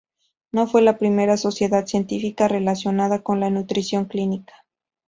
No fue la primera sociedad científica relacionada con la nutrición clínica.